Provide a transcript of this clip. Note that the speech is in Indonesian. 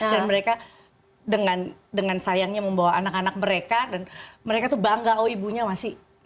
dan mereka dengan sayangnya membawa anak anak mereka dan mereka tuh bangga oh ibunya masih juga